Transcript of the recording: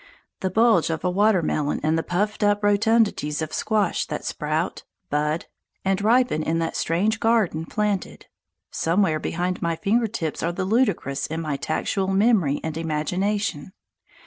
The bulge of a watermelon and the puffed up rotundities of squashes that sprout, bud, and ripen in that strange garden planted somewhere behind my finger tips are the ludicrous in my tactual memory and imagination.